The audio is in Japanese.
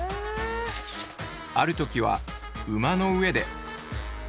ある時は馬の上で。